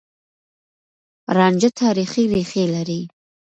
رانجه تاريخي ريښې لري.